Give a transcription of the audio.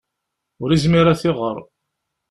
Ur yezmir ad t-iɣer.